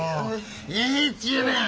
ええっちゅうねん！